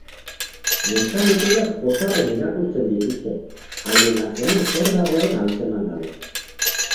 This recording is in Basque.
Neska-mutilak pozarren irakurtzen dituzte, haien atzean zer dagoen antzeman gabe.